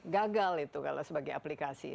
gagal itu kalau sebagai aplikasi